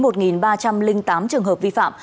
một ba trăm linh tám trường hợp vi phạm